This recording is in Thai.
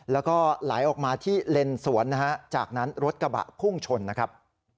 แล้วก็ไหลออกมาที่เลนสวนนะฮะจากนั้นรถกระบะพุ่งชนนะครับ